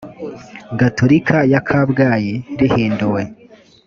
gatolika ya kabgayi rihinduwe